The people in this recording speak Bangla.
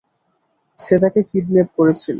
সে তাকে কিডন্যাপ করেছিল।